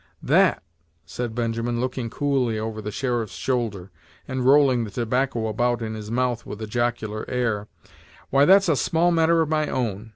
"That!" said Benjamin, looking coolly over the sheriff's shoulder, and rolling the tobacco about in his mouth with a jocular air; "why, that's a small matter of my own.